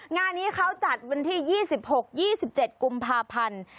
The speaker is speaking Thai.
งานนี้เขาจัดวันที่๒๖๒๗กุมภาพันธ์